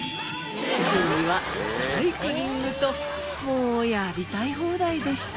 ついにはサイクリングともうやりたい放題でした。